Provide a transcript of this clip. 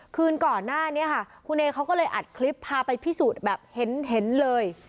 คืนก่อนหน้านี้ค่ะคุณเอเขาก็เลยอัดคลิปพาไปพิสูจน์แบบเห็นเลย